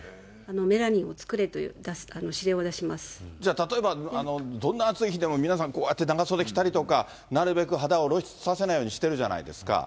メラニンを作れという指令を出しじゃあ、例えば、どんな暑い日でも、皆さん、こうやって長袖着たりとか、なるべく肌を露出させないようにしてるじゃないですか。